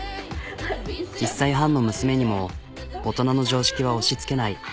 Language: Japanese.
１歳半の娘にも大人の常識は押しつけない。